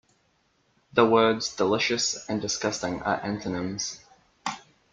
The words delicious and disgusting are antonyms.